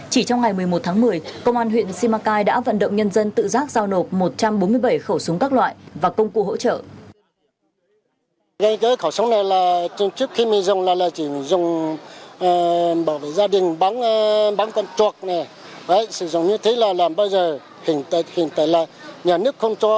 chỉ trong ngày một mươi một tháng một mươi công an huyện simacai đã vận động nhân dân tự giác giao nộp một trăm bốn mươi bảy khẩu súng các loại và công cụ hỗ trợ